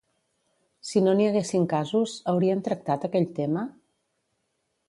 Si no n'hi haguessin casos, haurien tractat aquell tema?